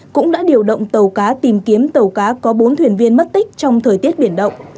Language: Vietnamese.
cũng đã điều động tàu cá tìm kiếm tàu cá có bốn thuyền viên mất tích trong thời tiết biển động